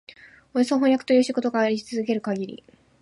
およそ飜訳という仕事があり続けるかぎり、